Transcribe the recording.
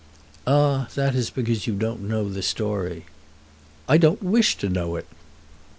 "Ah, that is because you don't know the story." "I don't wish to know it."